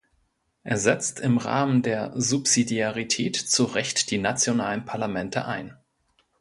Er setzt im Rahmen der Subsidiarität zu Recht die nationalen Parlamente ein.